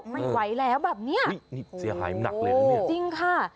ไม่ไหวแล้วแบบเนี้ยอุ้ยนี่เสียหายหนักเลยนะเนี่ยจริงค่ะ